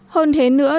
hơn thế nữa